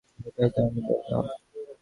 ঐটাই তো আমি বললাম।